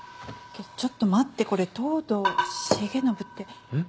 ちょっと待ってこれ「藤堂繁信」って。えっ？